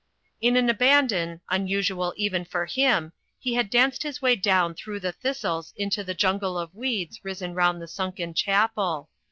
In an abandon, unusual even for him, he had danced his way down through the thistles into the jungle of weeds risen round the sunken Chapel.